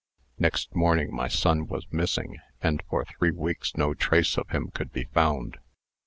Next morning my son was missing, and for three weeks no trace of him could be found.